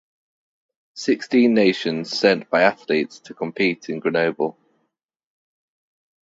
Sixteen nations sent biathletes to compete in Grenoble.